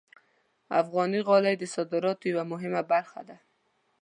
افغاني غالۍ د صادراتو یوه مهمه برخه ده.